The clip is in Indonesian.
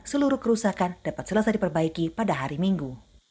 seluruh kerusakan dapat selesai diperbaiki pada hari minggu